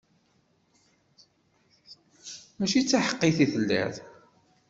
Mačči d taḥeqqit i telliḍ.